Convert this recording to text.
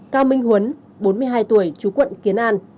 cao minh huấn bốn mươi hai tuổi chú quận kiến an